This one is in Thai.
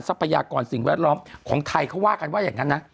พยากรสิ่งแวดล้อมของไทยเขาว่ากันว่าอย่างนั้นนะ